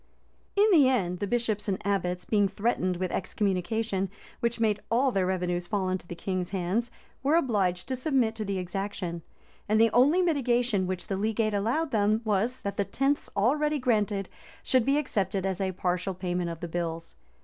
[] In the end, the bishops and abbots, being threatened with excommunication, which made all their revenues fall into the king's hands, were obliged to submit to the exaction; and the only mitigation which the legate allowed them was, that the tenths already granted should be accepted as a partial payment of the bills.